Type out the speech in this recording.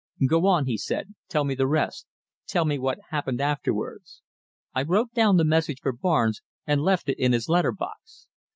"Go on," he said. "Tell me the rest. Tell me what happened afterwards." "I wrote down the message for Barnes and left it in his letter box.